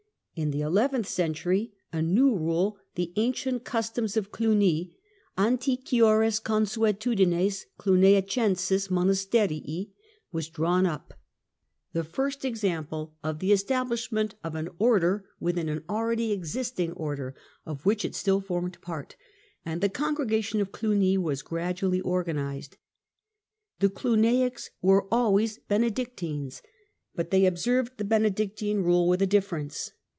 In the eleventh century a new rule, the " Ancient Customs of 56 THE CENTRAL PERIOD OF THE MIDDLE AGE Cluny " {Antiquiorcs eonsuetudines Oluniacensis monasterii\ was drawn up, " the first example of the establishment of an Order within an already existing Order, of which it still formed part," and the " Congregation of Cluny " was gradually organized. The Cluniacs were always Benedic tines, but they observed the Benedictine Eule with a difference.